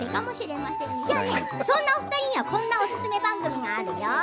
そんなお二人にはこんなオススメ番組があるよ！